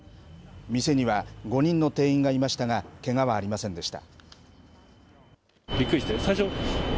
店には５人の店員がいましたが、けがはありませんでした。